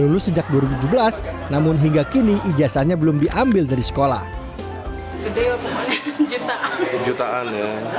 lulus sejak dua ribu tujuh belas namun hingga kini ijazahnya belum diambil dari sekolah penciptaan jutaan